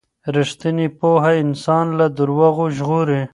ریښتینې پوهه انسان له درواغو ژغوري.